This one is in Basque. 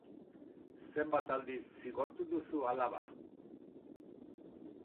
Zenbat aldiz zigortu duzu alaba?